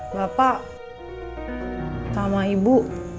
bapak sama ibu